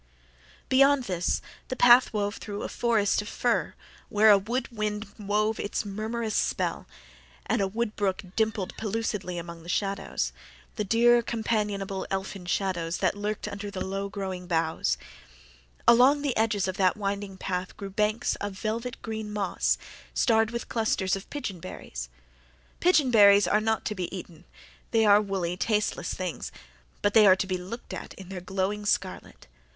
Beyond this the path wound through a forest of fir, where a wood wind wove its murmurous spell and a wood brook dimpled pellucidly among the shadows the dear, companionable, elfin shadows that lurked under the low growing boughs. Along the edges of that winding path grew banks of velvet green moss, starred with clusters of pigeon berries. Pigeon berries are not to be eaten. They are woolly, tasteless things. But they are to be looked at in their glowing scarlet.